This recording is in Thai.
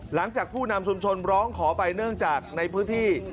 ผู้นำชุมชนร้องขอไปเนื่องจากในพื้นที่